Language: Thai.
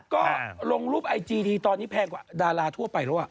ก็ลงรูปไอจีดีตอนนี้แพงกว่าดาราทั่วไปแล้ว